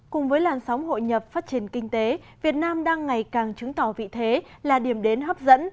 cùng với làn sóng hội nhập phát triển kinh tế việt nam đang ngày càng chứng tỏ vị thế là điểm đến hấp dẫn